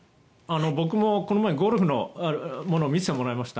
僕もこの前ゴルフのものを見せてもらいました。